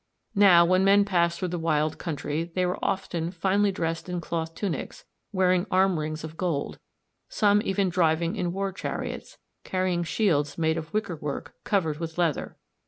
Now when men passed through the wild country they were often finely dressed in cloth tunics, wearing arm rings of gold, some even driving in war chariots, carrying shields made of wickerwork covered with leather.